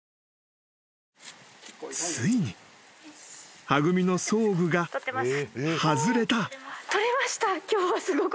［ついにはぐみの装具が外れた］